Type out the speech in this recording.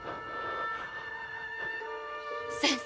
先生。